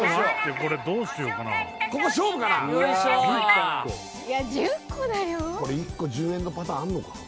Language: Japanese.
これ１個１０円のパターンあんのか？